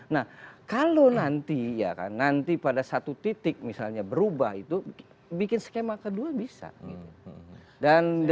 nah kalau nanti ya kan nanti pada satu titik misalnya berubah itu bikin skema kedua bisa